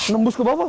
nambus ke bawah